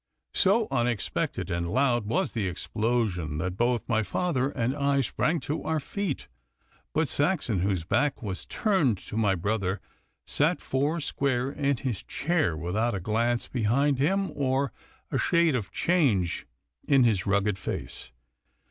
So unexpected and loud was the explosion, that both my father and I sprang to our feet; but Saxon, whose back was turned to my brother, sat four square in his chair without a glance behind him or a shade of change in his rugged face.